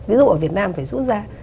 ví dụ ở việt nam phải rút ra